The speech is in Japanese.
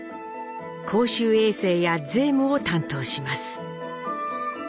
公衆衛生や税務を担当します。